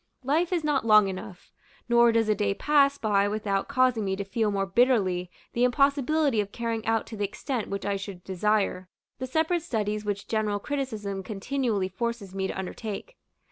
Life is not long enough; nor does a day pass by without causing me to feel more bitterly the impossibility of carrying out to the extent which I should desire, the separate studies which general criticism continually forces me to undertake.